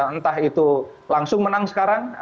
entah itu langsung menang sekarang